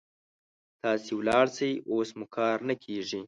تاسې ولاړ شئ، اوس مو کار نه کيږي.